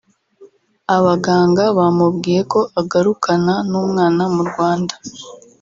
abaganga bamubwiye ko agarukana n’umwana mu Rwanda